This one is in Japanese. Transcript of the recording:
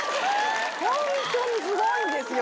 ホントにすごいんですよ